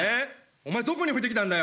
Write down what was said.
お前、どこに置いてきたんだよ。